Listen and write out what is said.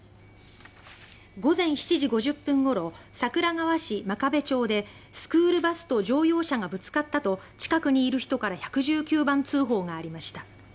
午前７時５０分ごろ桜川市真壁町でスクールバスと乗用車がぶつかったと近くにいる人から１１９番通報がありました。